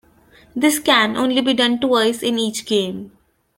This can only be done twice in each game.